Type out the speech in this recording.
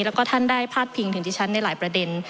แล้วก็ท่านได้พาดพิงถึงดิฉันในหลายประเด็น